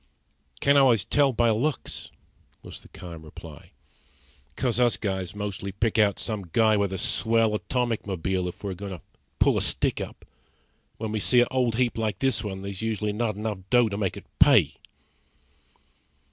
"Can't always tell by looks," was the calm reply. "'Course us guys mostly pick out some guy with a swell atomic mobile if we're goin' to pull a stick up. When we see a old heap like this one there's usually not enough dough to make it pay."